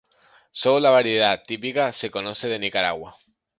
Sólo la variedad típica se conoce de Nicaragua.